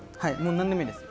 何でもいいです。